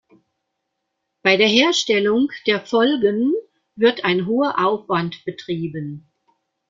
Bei der Herstellung der Folgen wird ein hoher Aufwand betrieben.